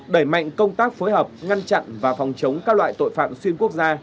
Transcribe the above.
đẩy mạnh công tác phối hợp ngăn chặn và phòng chống các loại tội phạm xuyên quốc gia